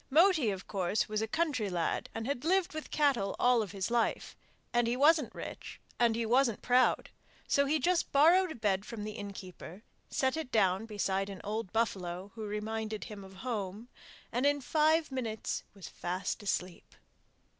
Moti, of course, was a country lad and had lived with cattle all his life, and he wasn't rich and he wasn't proud, so he just borrowed a bed from the innkeeper, set it down beside an old buffalo who reminded him of home, and in five minutes was fast asleep.